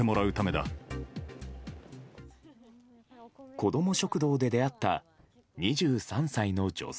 子ども食堂で出会った２３歳の女性。